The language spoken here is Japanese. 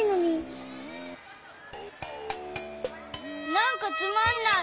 なんかつまんない。